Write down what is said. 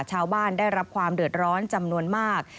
ชาวบ้านได้รับความเดือดร้อนจำนวนมาก